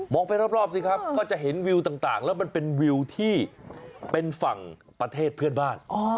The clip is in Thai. ไปรอบสิครับก็จะเห็นวิวต่างแล้วมันเป็นวิวที่เป็นฝั่งประเทศเพื่อนบ้าน